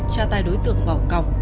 tra tay đối tượng vào cọng